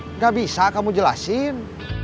enggak bisa kamu jelasin